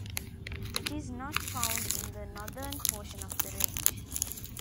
It is not found in the northern portion of the Range.